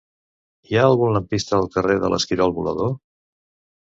Hi ha algun lampista al carrer de l'Esquirol Volador?